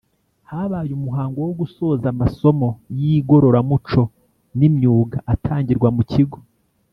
Habaye umuhango wo gusoza amasomo y igororamuco n imyuga atangirwa mu kigo